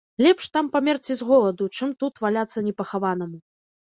Лепш там памерці з голаду, чым тут валяцца непахаванаму.